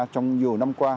trong nhiều năm qua